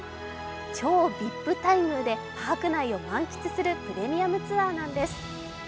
超ＶＩＰ待遇でパーク内を満喫するプレミアムツアーなんです。